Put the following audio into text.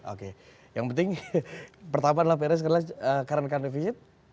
oke yang penting pertama adalah peres karena karena karenakan defisit